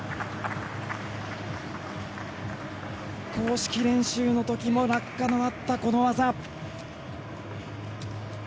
公式練習のときも落下もあった、この技。